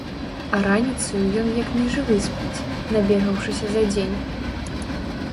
А раніцаю ён як нежывы спіць, набегаўшыся за дзень.